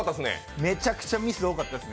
めちゃくちゃミス多かったですね。